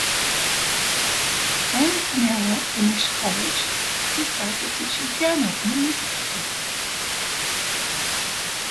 When Pinnella finished college, he started teaching piano in a music store.